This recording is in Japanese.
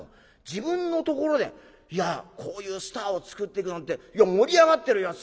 自分のところでいやこういうスターを作っていくなんて盛り上がってるやん。